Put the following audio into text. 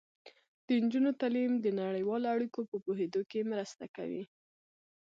د نجونو تعلیم د نړیوالو اړیکو په پوهیدو کې مرسته کوي.